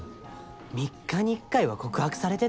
３日に１回は告白されてね？